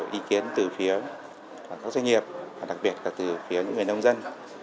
ý kiến từ phía các doanh nghiệp và đặc biệt là từ phía những người nông dân